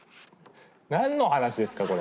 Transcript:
何の話ですかこれ。